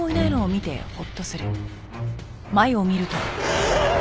うわっ！